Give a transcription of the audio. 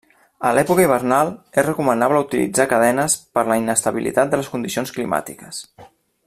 A l'època hivernal, és recomanable utilitzar cadenes per la inestabilitat de les condicions climàtiques.